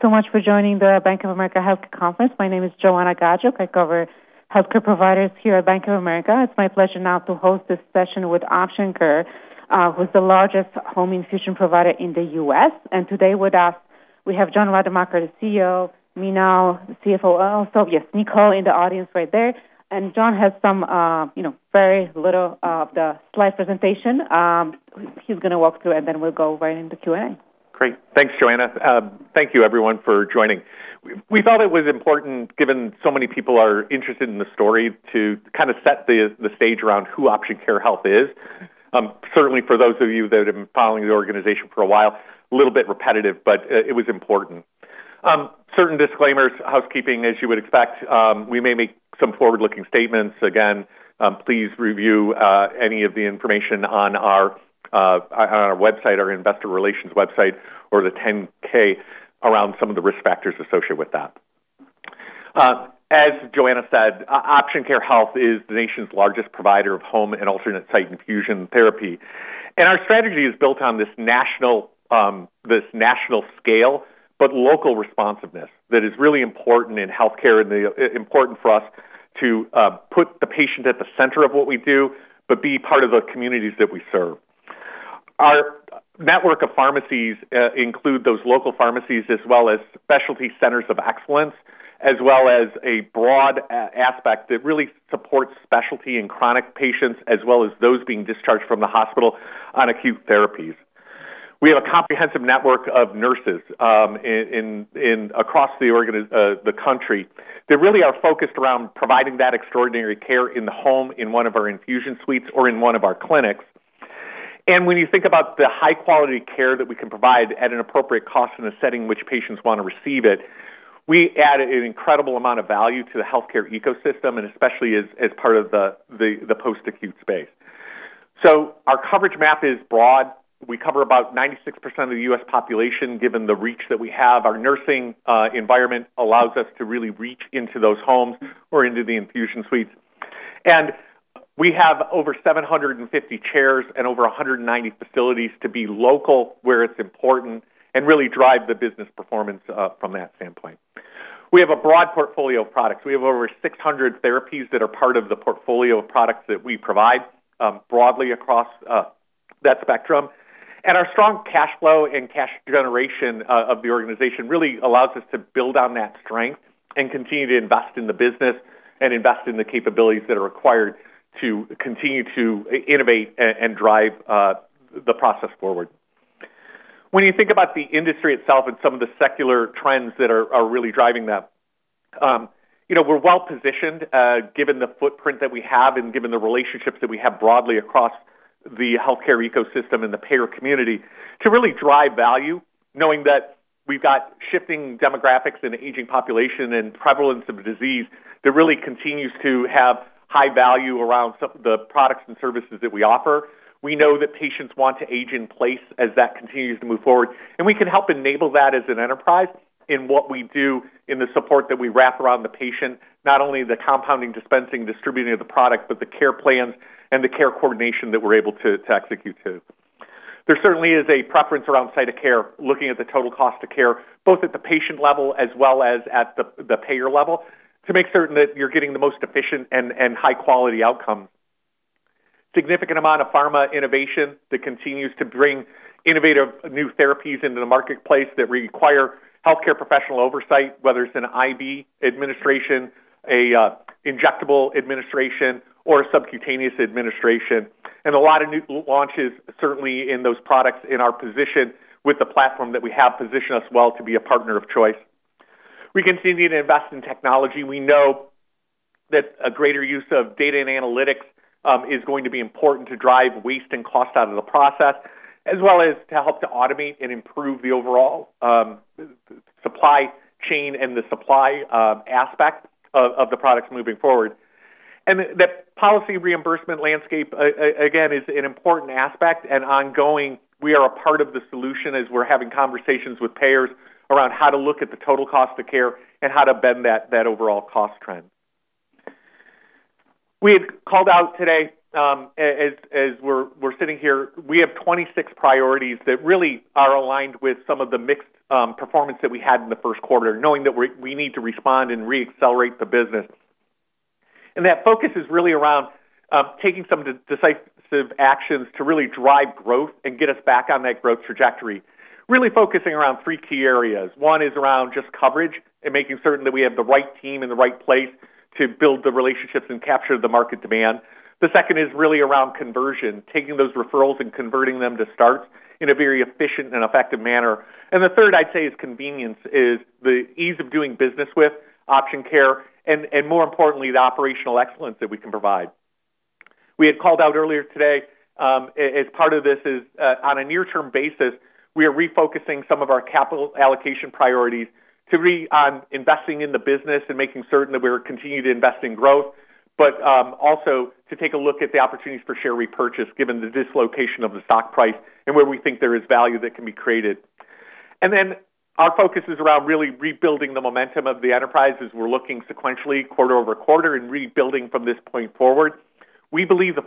Thanks so much for joining the Bank of America healthcare conference. My name is Joanna Gajuk. I cover healthcare providers here at Bank of America. It's my pleasure now to host this session with Option Care, who's the largest home infusion provider in the U.S. Today with us we have John Rademacher, the CEO, Meenal, the CFO. Yes, Nicole in the audience right there. John has some, you know, very little of the slide presentation, he's gonna walk through, and then we'll go right into Q&A. Great. Thanks, Joanna. Thank you everyone for joining. We thought it was important, given so many people are interested in the story, to kind of set the stage around who Option Care Health is. Certainly for those of you that have been following the organization for a while, a little bit repetitive, but it was important. Certain disclaimers, housekeeping, as you would expect. We may make some forward-looking statements. Again, please review any of the information on our on our website, our investor relations website or the 10-K around some of the risk factors associated with that. As Joanna said, Option Care Health is the nation's largest provider of home and alternate site infusion therapy. Our strategy is built on this national scale, but local responsiveness that is really important in healthcare and important for us to put the patient at the center of what we do, but be part of the communities that we serve. Our network of pharmacies include those local pharmacies as well as specialty centers of excellence, as well as a broad aspect that really supports specialty and chronic patients, as well as those being discharged from the hospital on acute therapies. We have a comprehensive network of nurses across the country that really are focused around providing that extraordinary care in the home in one of our infusion suites or in one of our clinics. When you think about the high quality care that we can provide at an appropriate cost in a setting which patients wanna receive it, we add an incredible amount of value to the healthcare ecosystem and especially as part of the post-acute space. Our coverage map is broad. We cover about 96% of the U.S. population, given the reach that we have. Our nursing environment allows us to really reach into those homes or into the infusion suites. We have over 750 chairs and over 190 facilities to be local where it's important and really drive the business performance from that standpoint. We have a broad portfolio of products. We have over 600 therapies that are part of the portfolio of products that we provide broadly across that spectrum. Our strong cash flow and cash generation of the organization really allows us to build on that strength and continue to invest in the business and invest in the capabilities that are required to continue to innovate and drive the process forward. When you think about the industry itself and some of the secular trends that are really driving that, you know, we're well-positioned given the footprint that we have and given the relationships that we have broadly across the healthcare ecosystem and the payer community to really drive value, knowing that we've got shifting demographics and aging population and prevalence of disease that really continues to have high value around some of the products and services that we offer. We know that patients want to age in place as that continues to move forward, and we can help enable that as an enterprise in what we do in the support that we wrap around the patient, not only the compounding, dispensing, distributing of the product, but the care plans and the care coordination that we're able to execute too. There certainly is a preference around site of care, looking at the total cost of care, both at the patient level as well as at the payer level, to make certain that you're getting the most efficient and high quality outcome. Significant amount of pharma innovation that continues to bring innovative new therapies into the marketplace that require healthcare professional oversight, whether it's an IV administration, an injectable administration, or a subcutaneous administration. A lot of new launches certainly in those products in our position with the platform that we have positioned us well to be a partner of choice. We continue to invest in technology. We know that a greater use of data and analytics is going to be important to drive waste and cost out of the process, as well as to help to automate and improve the overall supply chain and the supply aspect of the products moving forward. The policy reimbursement landscape again, is an important aspect and ongoing. We are a part of the solution as we're having conversations with payers around how to look at the total cost of care and how to bend that overall cost trend. We had called out today, as we're sitting here, we have 26 priorities that really are aligned with some of the mixed performance that we had in the first quarter, knowing that we need to respond and re-accelerate the business. That focus is really around taking some decisive actions to really drive growth and get us back on that growth trajectory, really focusing around three key areas. One is around just coverage and making certain that we have the right team in the right place to build the relationships and capture the market demand. The second is really around conversion, taking those referrals and converting them to starts in a very efficient and effective manner. The third I'd say is convenience, is the ease of doing business with Option Care and, more importantly, the operational excellence that we can provide. We had called out earlier today, as part of this is, on a near-term basis, we are refocusing some of our capital allocation priorities to investing in the business and making certain that we're continuing to invest in growth, but also to take a look at the opportunities for share repurchase given the dislocation of the stock price and where we think there is value that can be created. Our focus is around really rebuilding the momentum of the enterprise as we're looking sequentially quarter-over-quarter and rebuilding from this point forward. We believe the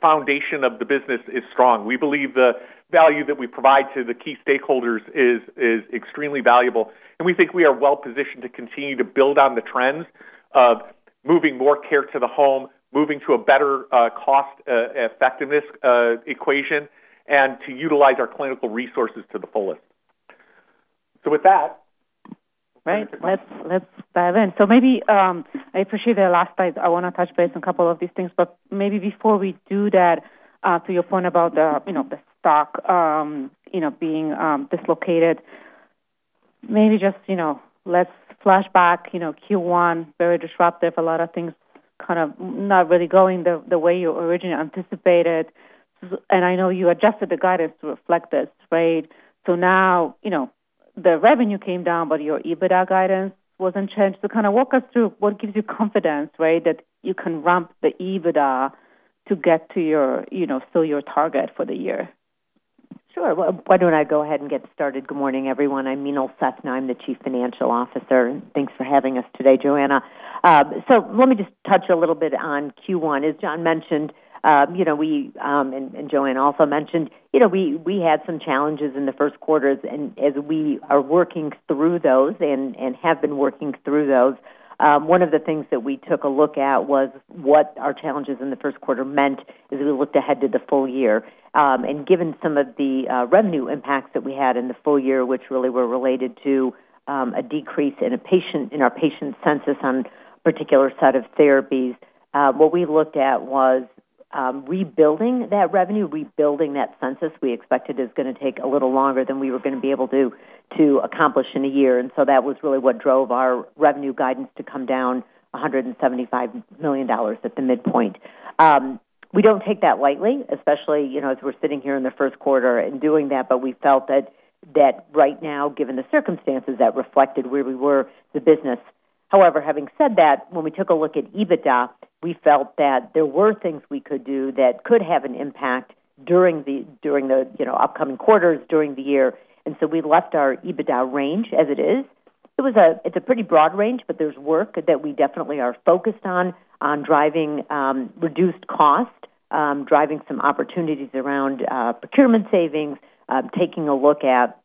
foundation of the business is strong. We believe the value that we provide to the key stakeholders is extremely valuable. We think we are well-positioned to continue to build on the trends of moving more care to the home, moving to a better cost effectiveness equation, and to utilize our clinical resources to the fullest. Right. Let's dive in. Maybe, I appreciate the last slide. I wanna touch base on a couple of these things, but maybe before we do that, to your point about the, you know, the stock, you know, being dislocated, maybe just, you know, let's flash back Q1, very disruptive, a lot of things kind of not really going the way you originally anticipated. And I know you adjusted the guidance to reflect this, right? Now, you know, the revenue came down, but your EBITDA guidance was unchanged. Kinda walk us through what gives you confidence, right, that you can ramp the EBITDA to get to your, you know, so your target for the year. Sure. Why don't I go ahead and get started? Good morning, everyone. I'm Meenal Sethna. I'm the Chief Financial Officer. Thanks for having us today, Joanna. Let me just touch a little bit on Q1. As John mentioned, you know, we, and Joanna also mentioned, you know, we had some challenges in the first quarter. As we are working through those and have been working through those, 1 of the things that we took a look at was what our challenges in the first quarter meant as we looked ahead to the full year. Given some of the revenue impacts that we had in the full year, which really were related to a decrease in our patient census on particular set of therapies, what we looked at was rebuilding that revenue. Rebuilding that census, we expected, is gonna take a little longer than we were gonna be able to accomplish in a year. That was really what drove our revenue guidance to come down $175 million at the midpoint. We don't take that lightly, especially, you know, as we're sitting here in the first quarter and doing that, but we felt that right now, given the circumstances, that reflected where we were, the business. Having said that, when we took a look at EBITDA, we felt that there were things we could do that could have an impact during the, you know, upcoming quarters during the year. We left our EBITDA range as it is. It's a pretty broad range, but there's work that we definitely are focused on driving reduced cost, driving some opportunities around procurement savings, taking a look at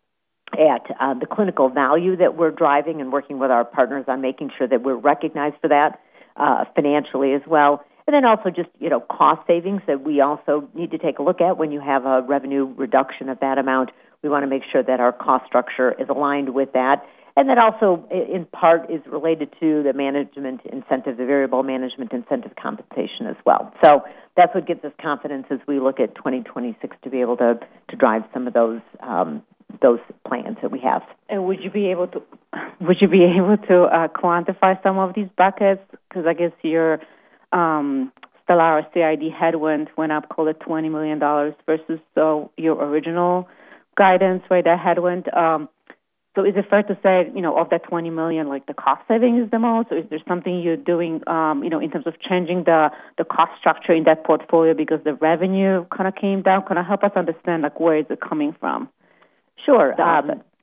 the clinical value that we're driving and working with our partners on making sure that we're recognized for that financially as well. Also just, you know, cost savings that we also need to take a look at. When you have a revenue reduction of that amount, we wanna make sure that our cost structure is aligned with that. That also in part is related to the management incentive, the variable management incentive compensation as well. That's what gives us confidence as we look at 2026 to be able to drive some of those plans that we have. Would you be able to quantify some of these buckets? Cause I guess your STELARA CID headwind went up, call it $20 million versus your original guidance, right, the headwind. Is it fair to say, you know, of that $20 million, like, the cost saving is the most, or is there something you're doing, you know, in terms of changing the cost structure in that portfolio because the revenue kinda came down? Kinda help us understand, like, where is it coming from? Sure.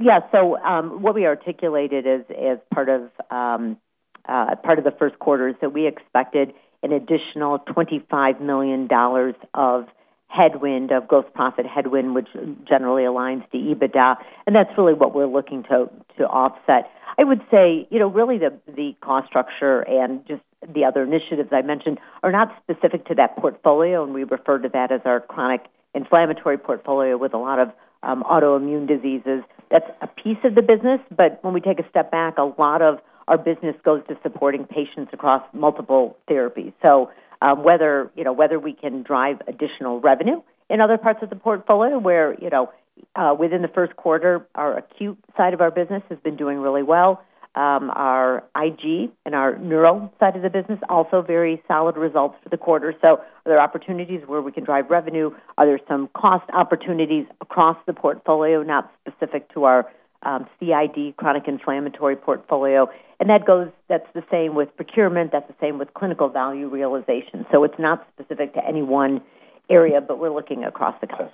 What we articulated is, as part of the first quarter, we expected an additional $25 million of headwind, of gross profit headwind, which generally aligns to EBITDA. That's really what we're looking to offset. I would say, you know, really the cost structure and just the other initiatives I mentioned are not specific to that portfolio. We refer to that as our chronic inflammatory portfolio with a lot of autoimmune diseases. That's a piece of the business. When we take a step back, a lot of our business goes to supporting patients across multiple therapies. Whether, you know, whether we can drive additional revenue in other parts of the portfolio where, you know, within the first quarter, our acute side of our business has been doing really well. Our IG and our neuro side of the business, also very solid results for the quarter. Are there opportunities where we can drive revenue? Are there some cost opportunities across the portfolio, not specific to our CID, chronic inflammatory portfolio? That's the same with procurement, that's the same with clinical value realization. It's not specific to any one area, but we're looking across the company.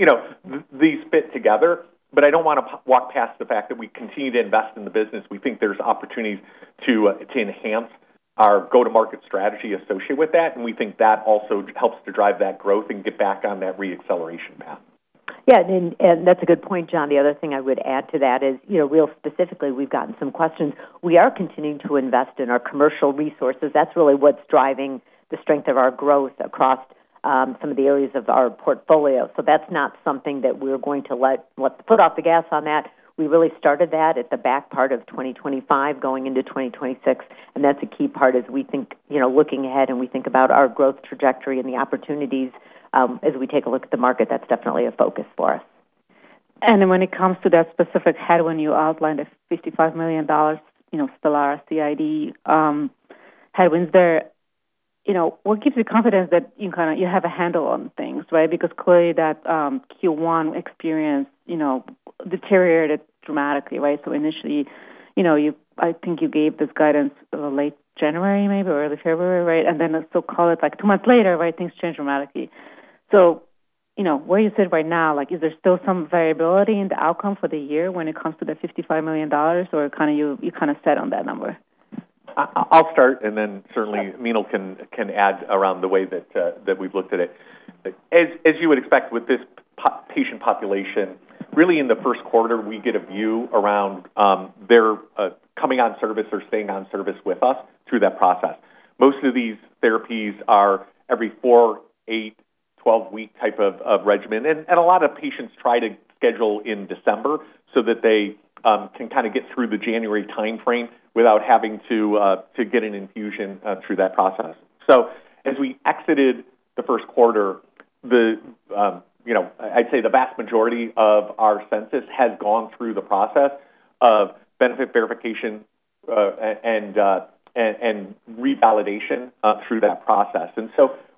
You know, these fit together, but I don't wanna walk past the fact that we continue to invest in the business. We think there's opportunities to enhance our go-to-market strategy associated with that, and we think that also helps to drive that growth and get back on that re-acceleration path. Yeah. That's a good point, John. The other thing I would add to that is, you know, We've gotten some questions. We are continuing to invest in our commercial resources. That's really what's driving the strength of our growth across some of the areas of our portfolio. That's not something that we're going to let's put off the gas on that. We really started that at the back part of 2025 going into 2026, and that's a key part as we think, you know, looking ahead and we think about our growth trajectory and the opportunities as we take a look at the market. That's definitely a focus for us. When it comes to that specific headwind you outlined, the $55 million, you know, STELARA CID headwinds there, you know, what gives you confidence that you have a handle on things, right? Clearly that Q1 experience, you know, deteriorated dramatically, right? Initially, you know, I think you gave this guidance late January maybe or early February, right? Let's still call it, like, two months later, right, things changed dramatically. You know, where you sit right now, like, is there still some variability in the outcome for the year when it comes to the $55 million, or kind of you kind of set on that number? I'll start, and then certainly Meenal can add around the way that we've looked at it. As you would expect with this patient population, really in the first quarter, we get a view around their coming on service or staying on service with us through that process. Most of these therapies are every four, eight, 12-week type of regimen. A lot of patients try to schedule in December so that they can kinda get through the January timeframe without having to get an infusion through that process. As we exited the first quarter, the, you know, I'd say the vast majority of our census has gone through the process of benefit verification and revalidation through that process.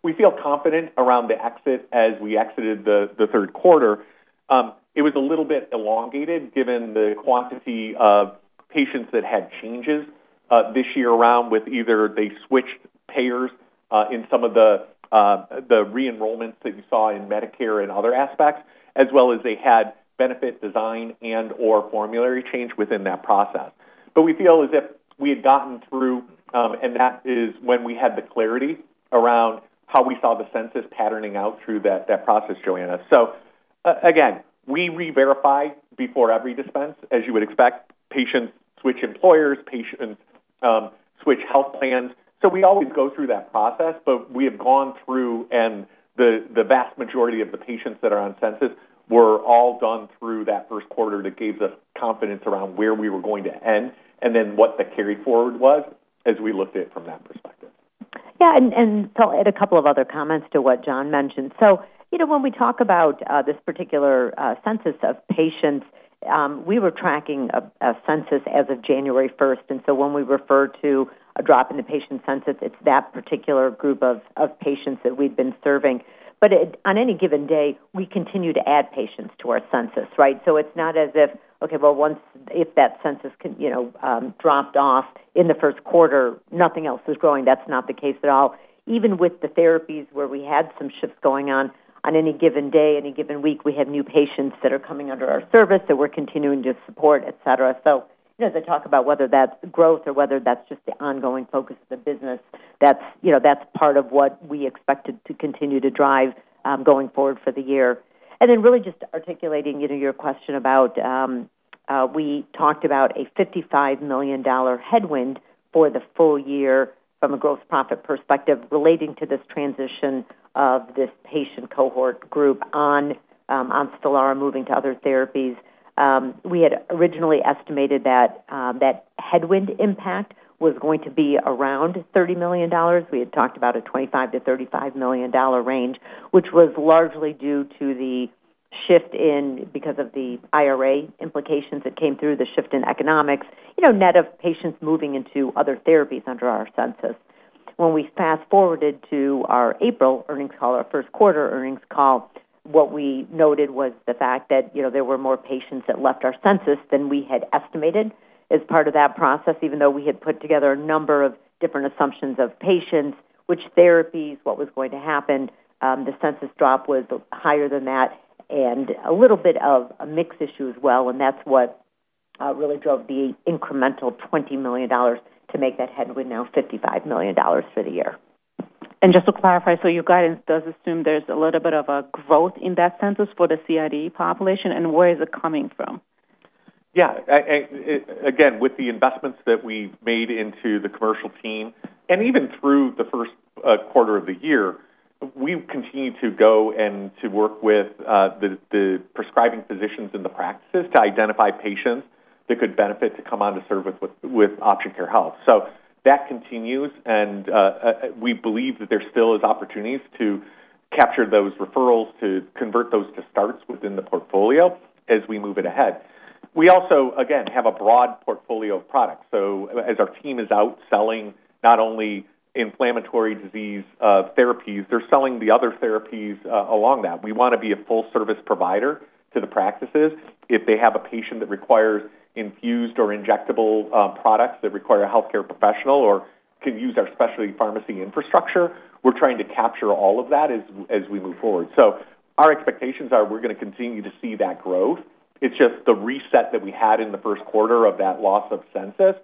We feel confident around the exit as we exited the third quarter. It was a little bit elongated given the quantity of patients that had changes this year around with either they switched payers in some of the re-enrollments that you saw in Medicare and other aspects, as well as they had benefit design and/or formulary change within that process. We feel as if we had gotten through, and that is when we had the clarity around how we saw the census patterning out through that process, Joanna. Again, we reverify before every dispense. As you would expect, patients switch employers, patients switch health plans. We always go through that process, but we have gone through, and the vast majority of the patients that are on census were all done through that first quarter that gave us confidence around where we were going to end and then what the carry forward was as we looked at it from that perspective. Yeah. I'll add a couple of other comments to what John mentioned. You know, when we talk about this particular census of patients, we were tracking a census as of January 1st. When we refer to a drop in the patient census, it's that particular group of patients that we've been serving. On any given day, we continue to add patients to our census, right? It's not as if, okay, well, if that census, you know, dropped off in the first quarter, nothing else is going. That's not the case at all. Even with the therapies where we had some shifts going on any given day, any given week, we have new patients that are coming under our service that we're continuing to support, et cetera. You know, as I talk about whether that's growth or whether that's just the ongoing focus of the business, that's, you know, that's part of what we expected to continue to drive going forward for the year. Really just articulating, you know, your question about, we talked about a $55 million headwind for the full year from a gross profit perspective relating to this transition of this patient cohort group on STELARA moving to other therapies. We had originally estimated that headwind impact was going to be around $30 million. We had talked about a $25 million-$35 million range, which was largely due to the shift in because of the IRA implications that came through the shift in economics, you know, net of patients moving into other therapies under our census. When we fast-forwarded to our April earnings call, our first quarter earnings call, what we noted was the fact that, you know, there were more patients that left our census than we had estimated as part of that process, even though we had put together a number of different assumptions of patients, which therapies, what was going to happen. The census drop was higher than that and a little bit of a mix issue as well, and that's what really drove the incremental $20 million to make that headwind now $55 million for the year. Just to clarify, your guidance does assume there's a little bit of a growth in that census for the CID population. Where is it coming from? Yeah. Again, with the investments that we've made into the commercial team, and even through the first quarter of the year, we've continued to go and to work with the prescribing physicians in the practices to identify patients that could benefit to come on to service with Option Care Health. That continues, and we believe that there still is opportunities to capture those referrals, to convert those to starts within the portfolio as we move it ahead. We also, again, have a broad portfolio of products. As our team is out selling not only inflammatory disease therapies, they're selling the other therapies along that. We wanna be a full service provider to the practices. If they have a patient that requires infused or injectable products that require a healthcare professional or can use our specialty pharmacy infrastructure, we're trying to capture all of that as we move forward. Our expectations are we're gonna continue to see that growth. It's just the reset that we had in the first quarter of that loss of census,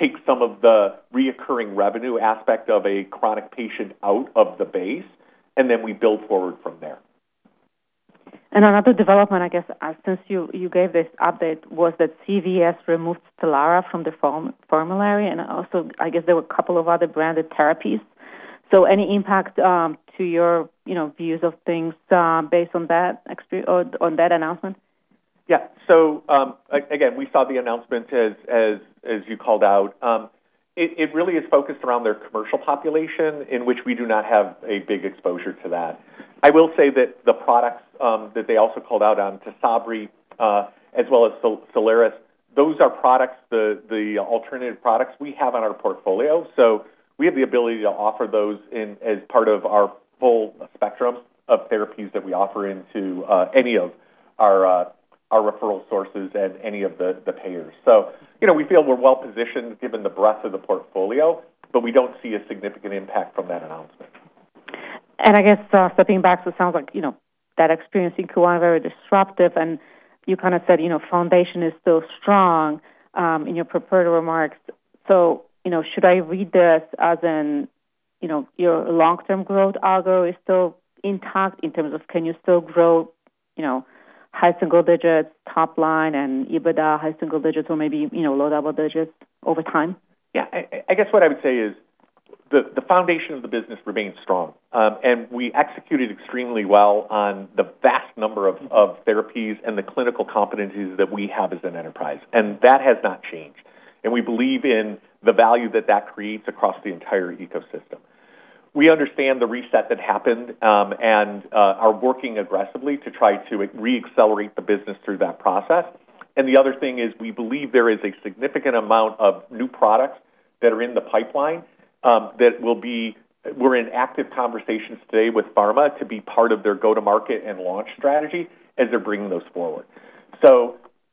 take some of the recurring revenue aspect of a chronic patient out of the base, and then we build forward from there. Another development, I guess, since you gave this update was that CVS removed STELARA from the formulary, and also I guess there were a couple of other branded therapies. Any impact to your, you know, views of things, based on that or on that announcement? Yeah. Again, we saw the announcement as you called out. It really is focused around their commercial population in which we do not have a big exposure to that. I will say that the products that they also called out on Tysabri, as well as Soliris, those are products, the alternative products we have on our portfolio. We have the ability to offer those as part of our full spectrum of therapies that we offer into any of our referral sources and any of the payers. You know, we feel we're well-positioned given the breadth of the portfolio, but we don't see a significant impact from that announcement. I guess, stepping back, it sounds like, you know, that experience in Q1 was very disruptive, and you kind of said, you know, foundation is still strong in your prepared remarks. You know, should I read this as in, you know, your long-term growth algo is still intact in terms of can you still grow, you know, high single digits, top line, and EBITDA high single digits or maybe, you know, low double digits over time? I guess what I would say is the foundation of the business remains strong. We executed extremely well on the vast number of therapies and the clinical competencies that we have as an enterprise, and that has not changed. We believe in the value that that creates across the entire ecosystem. We understand the reset that happened, are working aggressively to try to re-accelerate the business through that process. The other thing is we believe there is a significant amount of new products that are in the pipeline that we're in active conversations today with pharma to be part of their go-to-market and launch strategy as they're bringing those forward.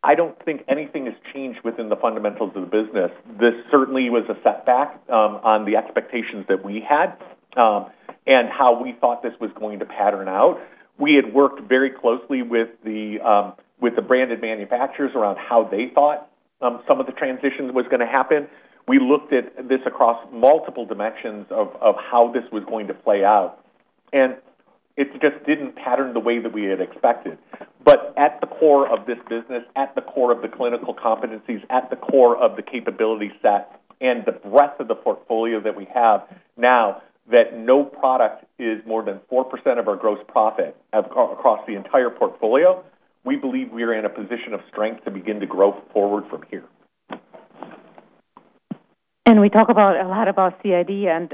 I don't think anything has changed within the fundamentals of the business. This certainly was a setback on the expectations that we had and how we thought this was going to pattern out. We had worked very closely with the branded manufacturers around how they thought some of the transitions was going to happen. We looked at this across multiple dimensions of how this was going to play out, and it just didn't pattern the way that we had expected. At the core of this business, at the core of the clinical competencies, at the core of the capability set and the breadth of the portfolio that we have now that no product is more than 4% of our gross profit across the entire portfolio, we believe we are in a position of strength to begin to grow forward from here. We talk a lot about CID and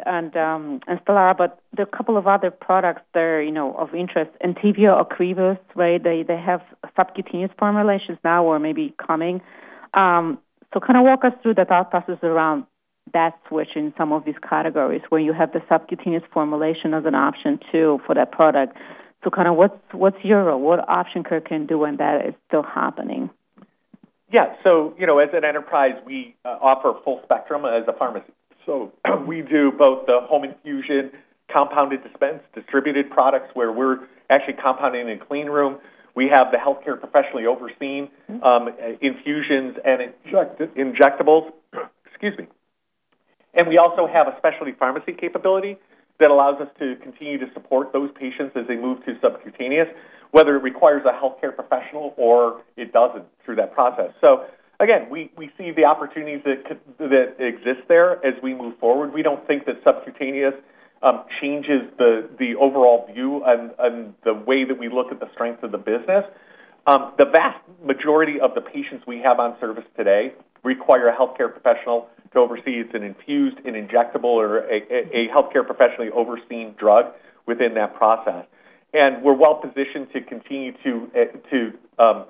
STELARA, but there are a couple of other products that are, you know, of interest. Entyvio or Ocrevus, right? They have subcutaneous formulations now or maybe coming. Kind of walk us through the thought process around that switch in some of these categories where you have the subcutaneous formulation as an option too for that product. Kind of what's your what Option Care can do when that is still happening? Yeah, you know, as an enterprise, we offer full spectrum as a pharmacy. We do both the home infusion, compounded dispense, distributed products where we're actually compounding in a clean room. We have the healthcare professionally overseen infusions and injectables. We also have a specialty pharmacy capability that allows us to continue to support those patients as they move to subcutaneous, whether it requires a healthcare professional or it doesn't through that process. Again, we see the opportunities that exist there as we move forward. We don't think that subcutaneous changes the overall view and the way that we look at the strength of the business. The vast majority of the patients we have on service today require a healthcare professional to oversee. It's an infused, an injectable, or a healthcare professionally overseen drug within that process. We're well-positioned to continue to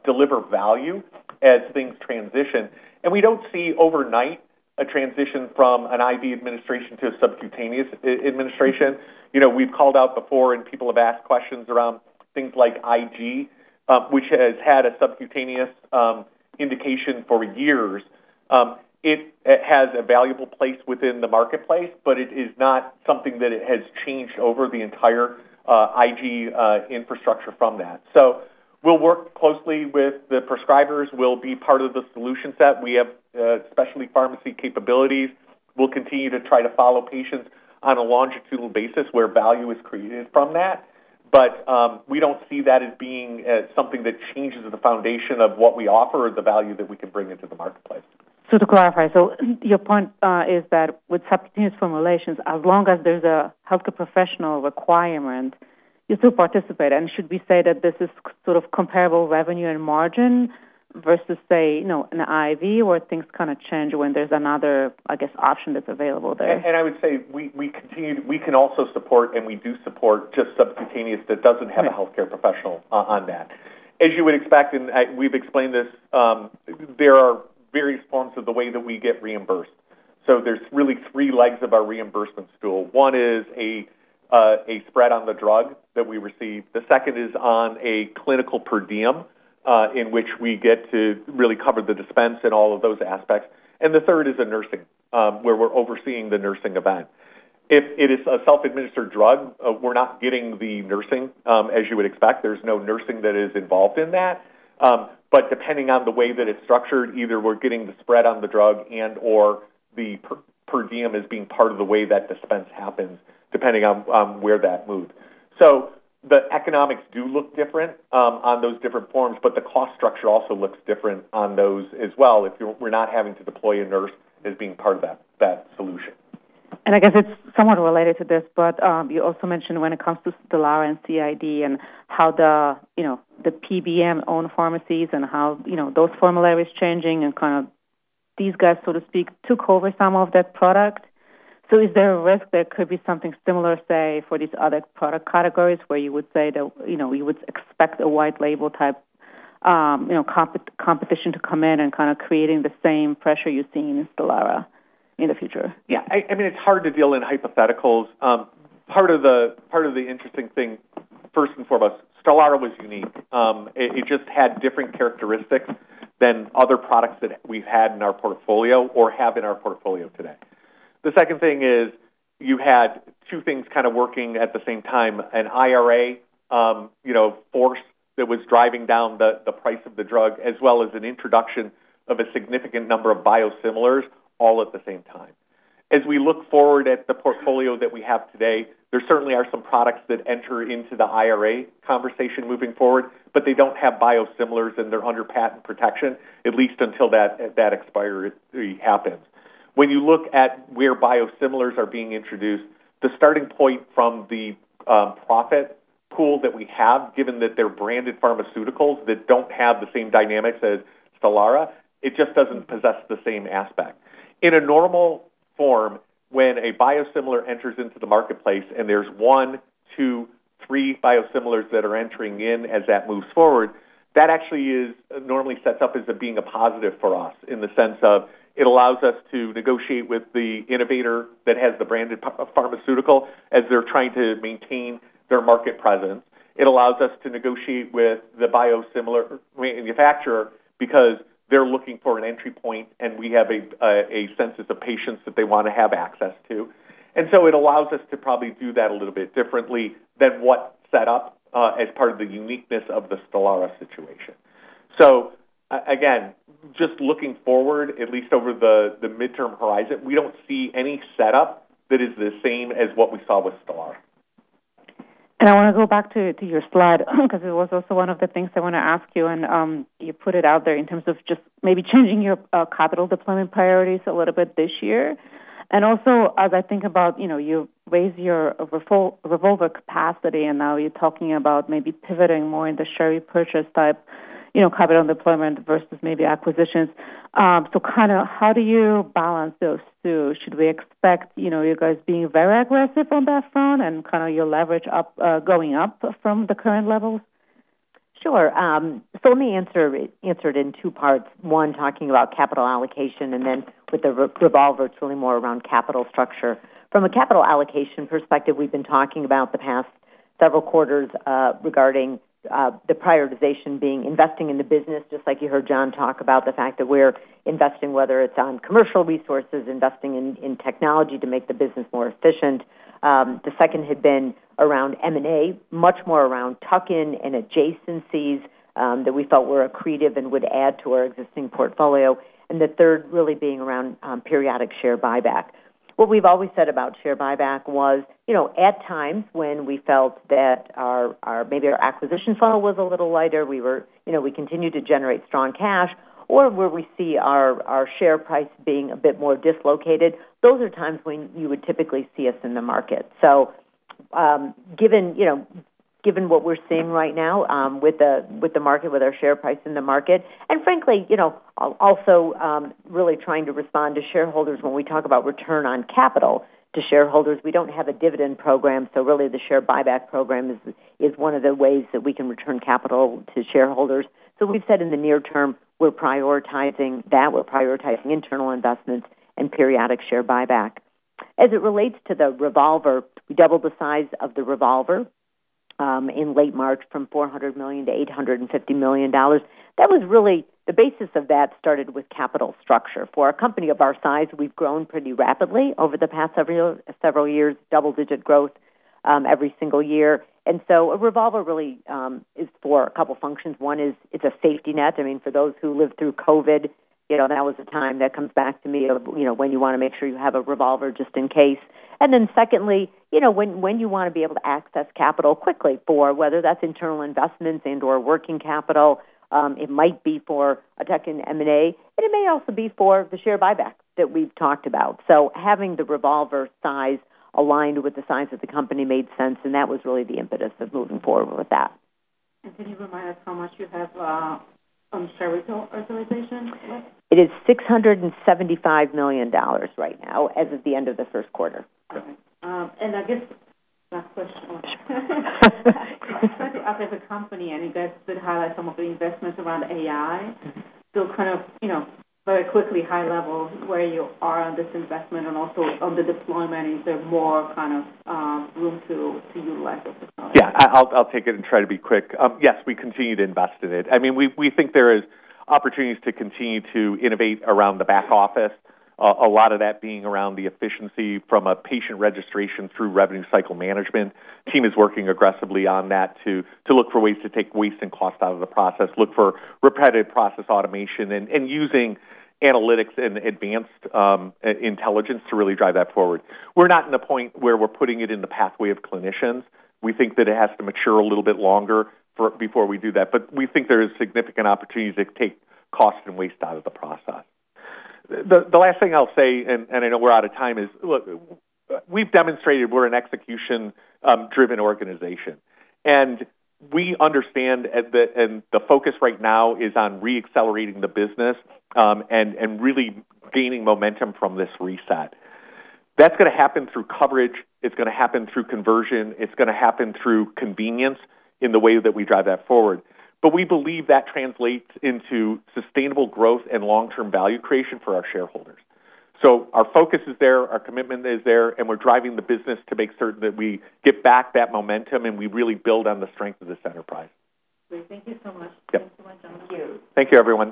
deliver value as things transition. We don't see overnight a transition from an IV administration to a subcutaneous administration. You know, we've called out before and people have asked questions around things like IG, which has had a subcutaneous indication for years. It has a valuable place within the marketplace, but it is not something that it has changed over the entire IG infrastructure from that. We'll work closely with the prescribers. We'll be part of the solution set. We have specialty pharmacy capabilities. We'll continue to try to follow patients on a longitudinal basis where value is created from that. We don't see that as being something that changes the foundation of what we offer or the value that we can bring into the marketplace. To clarify, your point is that with subcutaneous formulations, as long as there's a healthcare professional requirement, you still participate. Should we say that this is sort of comparable revenue and margin versus, say, you know, an IV where things kind of change when there's another, I guess, option that's available there? I would say we can also support, and we do support just subcutaneous that doesn't have a healthcare professional on that. As you would expect, we've explained this, there are various forms of the way that we get reimbursed. There's really three legs of our reimbursement stool. One is a spread on the drug that we receive. The second is on a clinical per diem, in which we get to really cover the dispense and all of those aspects. The third is a nursing, where we're overseeing the nursing event. If it is a self-administered drug, we're not getting the nursing, as you would expect. There's no nursing that is involved in that. Depending on the way that it's structured, either we're getting the spread on the drug and/or the per diem as being part of the way that dispense happens, depending on where that moves. The economics do look different on those different forms, but the cost structure also looks different on those as well if we're not having to deploy a nurse as being part of that solution. I guess it's somewhat related to this, but you also mentioned when it comes to STELARA and CID and how the, you know, the PBM-owned pharmacies and how, you know, those formulary is changing and kind of these guys, so to speak, took over some of that product. Is there a risk there could be something similar, say, for these other product categories where you would say that, you know, we would expect a white label type, you know, competition to come in and kind of creating the same pressure you're seeing in STELARA In the future. Yeah. I mean, it's hard to deal in hypotheticals. Part of the interesting thing, first and foremost, STELARA was unique. It just had different characteristics than other products that we've had in our portfolio or have in our portfolio today. The second thing is, you had two things kind of working at the same time, an IRA, you know, force that was driving down the price of the drug, as well as an introduction of a significant number of biosimilars all at the same time. As we look forward at the portfolio that we have today, there certainly are some products that enter into the IRA conversation moving forward, but they don't have biosimilars, and they're under patent protection, at least until that expiry happens. When you look at where biosimilars are being introduced, the starting point from the profit pool that we have, given that they're branded pharmaceuticals that don't have the same dynamics as, it just doesn't possess the same aspect. In a normal form, when a biosimilar enters into the marketplace and there's one, two, three biosimilars that are entering in as that moves forward, that normally sets up as being a positive for us in the sense of it allows us to negotiate with the innovator that has the branded pharmaceutical as they're trying to maintain their market presence. It allows us to negotiate with the biosimilar manufacturer because they're looking for an entry point, and we have a census of patients that they wanna have access to. It allows us to probably do that a little bit differently than what set up as part of the uniqueness of the STELARA situation. Again, just looking forward, at least over the midterm horizon, we don't see any setup that is the same as what we saw with . I wanna go back to your slide 'cause it was also one of the things I wanna ask you, and you put it out there in terms of just maybe changing your capital deployment priorities a little bit this year. Also, as I think about, you know, you raise your revolver capacity, and now you're talking about maybe pivoting more into share repurchase type, you know, capital deployment versus maybe acquisitions. Kinda how do you balance those two? Should we expect, you know, you guys being very aggressive on that front and kinda your leverage up going up from the current levels? Sure. Let me answer it in two parts, one talking about capital allocation and then with the revolver, it's really more around capital structure. From a capital allocation perspective, we've been talking about the past several quarters, regarding the prioritization being investing in the business, just like you heard John talk about the fact that we're investing, whether it's on commercial resources, investing in technology to make the business more efficient. The second had been around M&A, much more around tuck-in and adjacencies, that we felt were accretive and would add to our existing portfolio, and the third really being around periodic share buyback. What we've always said about share buyback was, you know, at times when we felt that our acquisition funnel was a little lighter, you know, we continued to generate strong cash or where we see our share price being a bit more dislocated. Those are times when you would typically see us in the market. Given, you know, given what we're seeing right now, with the, with the market, with our share price in the market, and frankly, you know, also, really trying to respond to shareholders when we talk about return on capital to shareholders. We don't have a dividend program, really the share buyback program is one of the ways that we can return capital to shareholders. We've said in the near term, we're prioritizing that. We're prioritizing internal investments and periodic share buyback. As it relates to the revolver, we doubled the size of the revolver in late March from $400 million-$850 million. The basis of that started with capital structure. For a company of our size, we've grown pretty rapidly over the past several years, double-digit growth every single year. A revolver really is for a couple functions. One is it's a safety net. I mean, for those who lived through COVID, you know, that was a time that comes back to me of, you know, when you wanna make sure you have a revolver just in case. Secondly, you know, when you wanna be able to access capital quickly for whether that's internal investments and/or working capital, it might be for a tuck-in M&A, and it may also be for the share buyback that we've talked about. Having the revolver size aligned with the size of the company made sense, and that was really the impetus of moving forward with that. Can you remind us how much you have on share re-authorization? It is $675 million right now as of the end of the first quarter. Okay. I guess last question. As a company, you guys did highlight some of the investments around AI, kind of, you know, very quickly, high level where you are on this investment and also on the deployment. Is there more kind of room to utilize this technology? I'll take it and try to be quick. Yes, we continue to invest in it. I mean, we think there is opportunities to continue to innovate around the back office, a lot of that being around the efficiency from a patient registration through revenue cycle management. Team is working aggressively on that to look for ways to take waste and cost out of the process, look for repetitive process automation and using analytics and advanced intelligence to really drive that forward. We're not in the point where we're putting it in the pathway of clinicians. We think that it has to mature a little bit longer before we do that, but we think there is significant opportunities to take cost and waste out of the process. The last thing I'll say, and I know we're out of time, is look, we've demonstrated we're an execution-driven organization, and we understand and the focus right now is on re-accelerating the business, and really gaining momentum from this reset. That's gonna happen through coverage. It's gonna happen through conversion. It's gonna happen through convenience in the way that we drive that forward. We believe that translates into sustainable growth and long-term value creation for our shareholders. Our focus is there, our commitment is there, and we're driving the business to make certain that we get back that momentum, and we really build on the strength of this enterprise. Great. Thank you so much. Yeah. Thanks so much, John and you. Thank you, everyone.